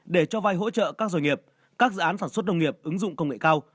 để cho vay hỗ trợ các doanh nghiệp các dự án sản xuất nông nghiệp ứng dụng công nghệ cao